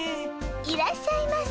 いらっしゃいませ。